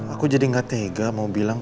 aku jadi gak tega mau bilang